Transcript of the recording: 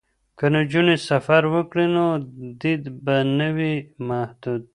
که نجونې سفر وکړي نو دید به نه وي محدود.